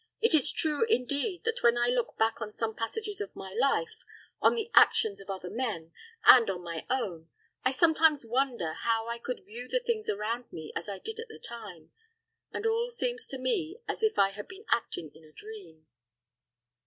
"It is true, indeed, that when I look back on some passages of my life on the actions of other men, and on my own I sometimes wonder how I could view the things around me as I did at the time, and all seems to me as if I had been acting in a dream."